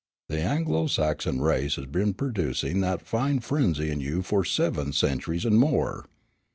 The Anglo Saxon race has been producing that fine frenzy in you for seven centuries and more.